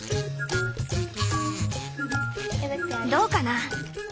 どうかな？